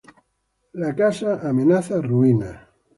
La casa amenaza ruina.